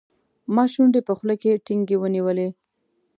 ما شونډې په خوله کې ټینګې ونیولې.